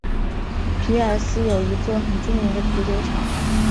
皮尔斯有一座很著名的啤酒厂。